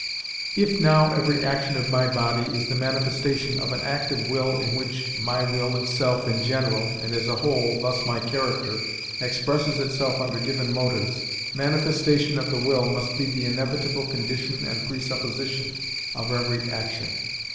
If now every action of my body is the manifestation of an act of will in which my will itself in general, and as a whole, thus my character, expresses itself under given motives, manifestation of the will must be the inevitable condition and presupposition of every action.